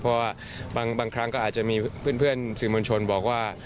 เพราะว่าบางครั้งก็อาจจะมีเพื่อนสื่อมวลชนบอกว่า